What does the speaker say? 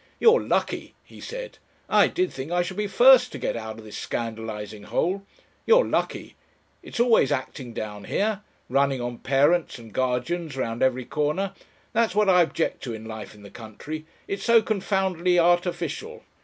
"You're lucky," he said. "I did think I should be first to get out of this scandalising hole. You're lucky. It's always acting down here. Running on parents and guardians round every corner. That's what I object to in life in the country: it's so confoundedly artificial.